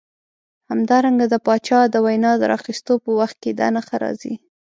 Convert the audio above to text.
همدارنګه د چا د وینا د راخیستلو په وخت کې دا نښه راځي.